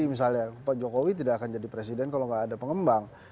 misalnya pak jokowi tidak akan jadi presiden kalau nggak ada pengembang